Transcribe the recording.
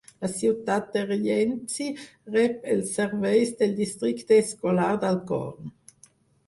La ciutat de Rienzi rep els serveis del Districte Escolar d'Alcorn.